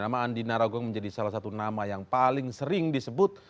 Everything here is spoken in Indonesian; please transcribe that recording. nama andi narogong menjadi salah satu nama yang paling sering disebut